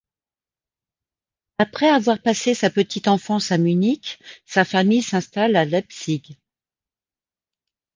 Après avoir passé sa petite enfance a Munich, sa famille s’installe à Leipzig.